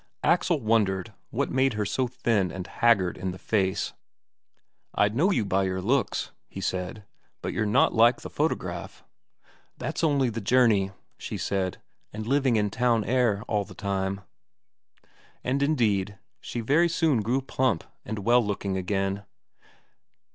Axel wondered what made her so thin and haggard in the face. "I'd know you by your looks," he said; "but you're not like the photograph." "That's only the journey," she said, "and living in town air all that time." And indeed, she very soon grew plump and well looking again.